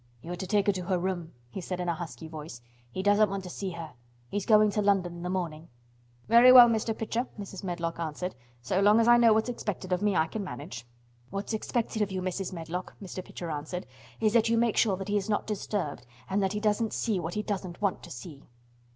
"You are to take her to her room," he said in a husky voice. "He doesn't want to see her. He's going to London in the morning." "Very well, Mr. Pitcher," Mrs. Medlock answered. "So long as I know what's expected of me, I can manage." "What's expected of you, Mrs. Medlock," Mr. Pitcher said, "is that you make sure that he's not disturbed and that he doesn't see what he doesn't want to see."